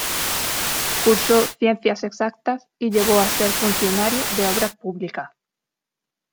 Cursó Ciencias Exactas y llegó a ser funcionario de Obras Públicas.